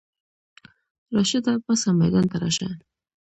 راشده پاڅه ميدان ته راشه!